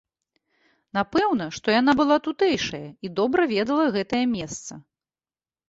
Напэўна, што яна была тутэйшая і добра ведала гэтае месца.